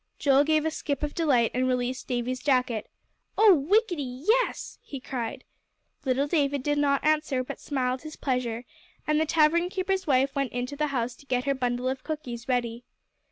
Joel gave a skip of delight and released Davie's jacket. "Oh, whickety yes!" he cried. Little David did not answer, but smiled his pleasure, and the tavern keeper's wife went into the house to get her bundle of cookies ready.